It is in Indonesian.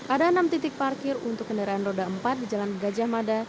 ada enam titik parkir untuk kendaraan roda empat di jalan gajah mada